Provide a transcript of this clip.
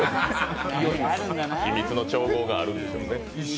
秘密の調合があるんでしょうね。